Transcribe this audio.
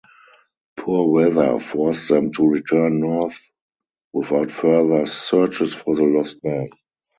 Poor weather forced them to return north without further searches for the lost men.